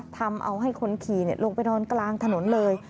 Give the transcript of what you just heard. ทำเอาให้คนขี่ลงไปนอนกลางถนนเลย